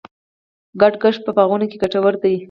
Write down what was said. ګډ کښت په باغونو کې ګټور دی.